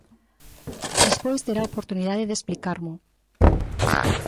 Despois terá a oportunidade de explicarmo.